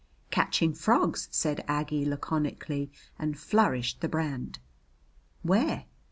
"Catching frogs," said Aggie laconically, and flourished the brand. "Where?"